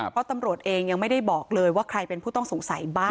เพราะตำรวจเองยังไม่ได้บอกเลยว่าใครเป็นผู้ต้องสงสัยบ้าง